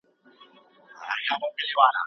لکه سپینې هیلۍ ګډې شي اوبو کې